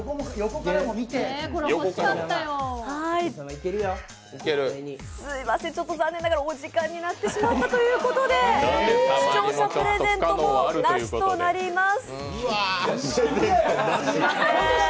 すみません、残念ながらお時間になってしまったということで視聴者プレゼントもなしとなります。